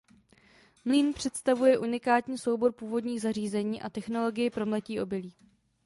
Mlýn představuje unikátní soubor původních zařízení a technologii pro mletí obilí.